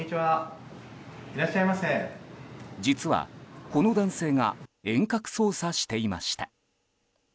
実は、この男性が遠隔操作していました。